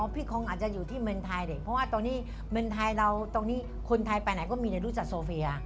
คงอาจจะอยู่ที่เมืองไทยดิเพราะว่าตอนนี้เมนไทยเราตรงนี้คนไทยไปไหนก็มีแต่รู้จักโซเฟีย